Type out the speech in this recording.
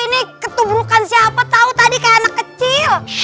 ini ketuburukan siapa tahu tadi kayak anak kecil